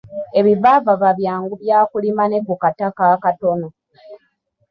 Ebivaavava byangu byakulima ne ku kataka akatono.